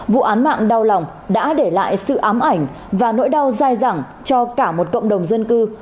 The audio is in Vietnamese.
vụ án mạng đau lòng đã để lại sự ám ảnh và nỗi đau dai dẳng cho cả một cộng đồng dân cư